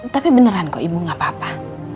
tapi beneran kok ibu gak apa apa